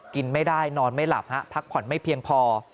กินไม่ได้นอนไม่หลับฮะพักผ่อนไม่เพียงพอ